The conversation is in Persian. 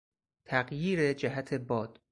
تغییر جهت باد